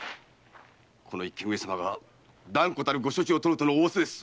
この一件上様が断固たるご処置を取るとの仰せです！